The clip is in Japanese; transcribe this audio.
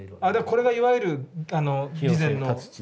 これがいわゆる備前の。